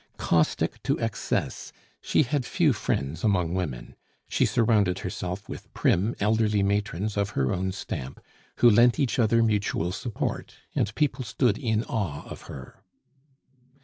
Caustic to excess she had few friends among women; she surrounded herself with prim, elderly matrons of her own stamp, who lent each other mutual support, and people stood in awe of her.